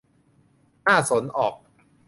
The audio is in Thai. น่าสนออก